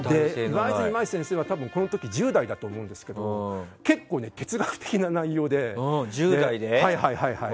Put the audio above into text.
岩泉舞先生はこの時、１０代だと思うんですが結構、哲学的な内容で。